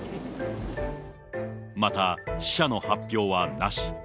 また、死者の発表はなし。